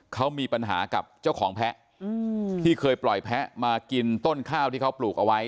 เขามีปัญหากับเจ้าของแพะที่เคยปล่อยแพ้มากินต้นข้าวที่เขาปลูกเอาไว้